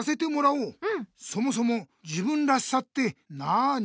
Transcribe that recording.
そもそも自分らしさって何？